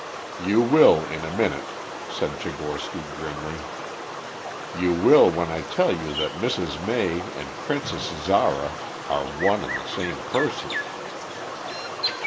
"You will in a minute," said Tchigorsky grimly. "You will when I tell you that Mrs. May and Princess Zara are one and the same person."